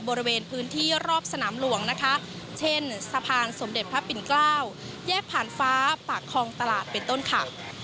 บริเวณพื้นที่รอบสนามหลวงนะคะเช่นสะพานสมเด็จพระปิ่นเกล้าแยกผ่านฟ้าปากคลองตลาดเป็นต้นค่ะ